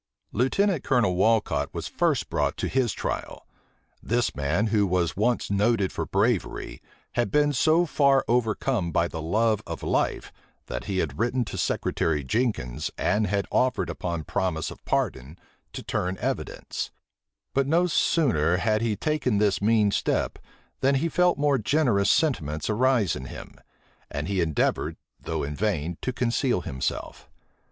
Lieutenant Colonel Walcot was first brought to his trial, This man, who was once noted for bravery, had been so far overcome by the love of life, that he had written to Secretary Jenkins, and had offered upon promise of pardon to turn evidence: but no sooner had he taken this mean step, than he felt more generous sentiments arise in him; and he endeavored, though in vain, to conceal himself.